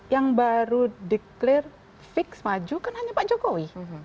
yang baru declare fix maju kan hanya pak jokowi